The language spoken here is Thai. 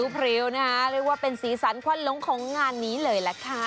พริ้วนะคะเรียกว่าเป็นสีสันควันหลงของงานนี้เลยล่ะค่ะ